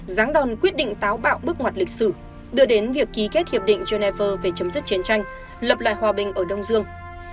giáng đòn quyết định táo bạo bước ngoặt lịch sử đưa đến việc ký kết hiệp định geneva về chấm dứt chiến tranh lập lại hòa bình ở đông dương